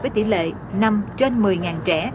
với tỷ lệ năm trên một mươi trẻ